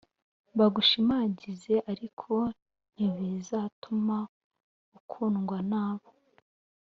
bagushimagize ariko ntibizatuma ukundwa nabo